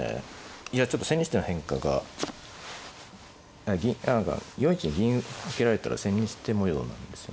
いやちょっと千日手の変化が銀何か４一に銀受けられたら千日手模様なんですよね。